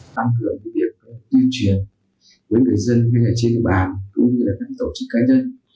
tăng cường việc tiêu chuyển với người dân như trên bàn cũng như tổ chức cá nhân